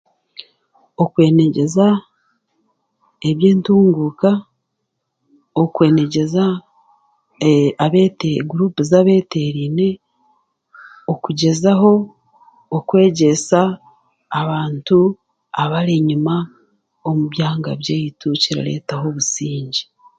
Okwinegyeza eby'entunguuka, okwinegyeza e guruupu za abeeteraine, okugyezaho okwegyesa abantu abari enyima omu byanga biitu kirareetaho obusingye